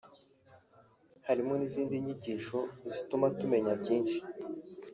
harimo n’izindi nyigisho zituma tumenya byinshi